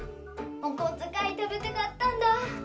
おこづかいためてかったんだ！